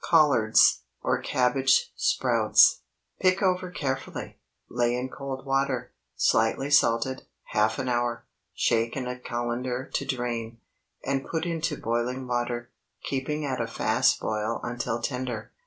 "COLLARDS," OR CABBAGE SPROUTS. Pick over carefully, lay in cold water, slightly salted, half an hour; shake in a cullender to drain, and put into boiling water, keeping at a fast boil until tender.